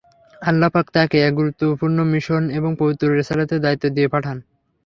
আল্লাহ পাক তাঁকে এক গুরুত্বপূর্ণ মিশন এবং পবিত্র রেসালাতের দায়িত্ব দিয়ে পাঠান।